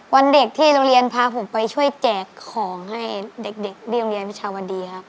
วันเด็กที่โรงเรียนพาผมไปช่วยแจกของให้เด็กที่โรงเรียนวิชาวดีครับ